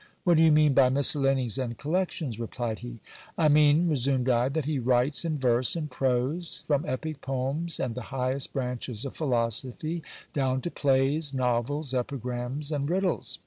What do you mean by miscellanies and collections? replied he. I mean, resumed I, that he writes in verse and prose, from epic poems and the highest branches of philosophy, down to plays, novels, epigrams, and riddles.